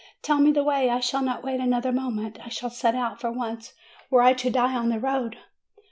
Tell me the way; I shall not wait another moment; I shall set out at once, were I to die on the road!"